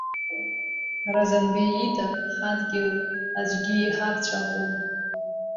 Разанбеи ида ҳадгьыл аӡәгьы иҳарцәаӷәом…